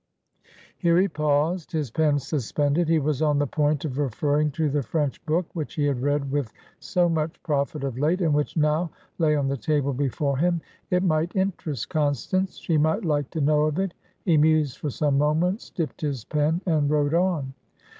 Here he paused, his pen suspended. He was on the point of referring to the French book which he had read with so much profit of late, and which now lay on the table before him. It might interest Constance; she might like to know of it. He mused for some moments, dipped his pen, and wrote on.